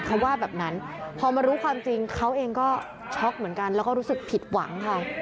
เขาว่าแบบนั้นพอมารู้ความจริงเขาเองก็ช็อกเหมือนกันแล้วก็รู้สึกผิดหวังค่ะ